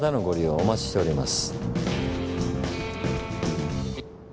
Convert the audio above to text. お待ちしております。